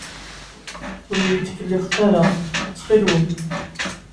Ur iyi-ttkellixet ara, ttxil-wen.